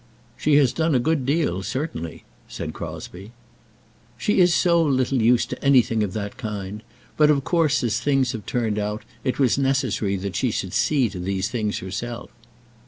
"She has done a good deal, certainly," said Crosbie. "She is so little used to anything of that kind! But of course, as things have turned out, it was necessary that she should see to these things herself."